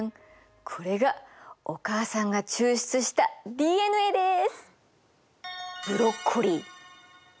これがお母さんが抽出したＤＮＡです。